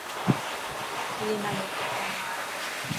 ائي نا ميڪپ ڪرڻ آئي تو.